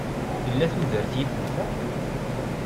Tella tudert yifen ta?